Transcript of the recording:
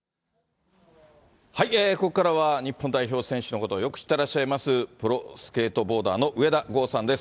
ここからは、日本代表選手のことをよく知ってらっしゃいます、プロスケートボーダーの上田豪さんです。